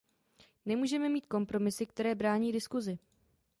Nemůžeme mít kompromisy, které brání diskusi.